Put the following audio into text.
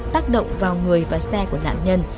tác động vào người và xe của nạn nhân